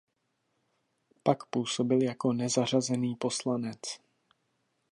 Pak působil jako nezařazený poslanec.